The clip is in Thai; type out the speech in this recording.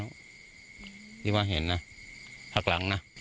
ที่ว่าเห็นนะพักหลังนะ